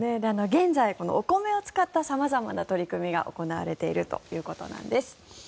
現在、お米を作った様々な取り組みが行われているということなんです。